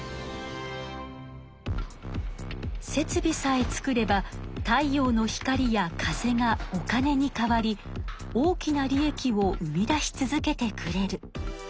設備さえ作れば太陽の光や風がお金に変わり大きな利益を生み出し続けてくれる。